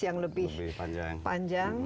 yang lebih panjang